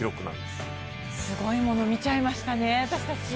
すごいもの見ちゃいましたね、私たち。